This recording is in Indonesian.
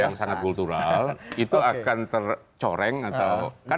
yang sangat kultural itu akan tercoreng atau kan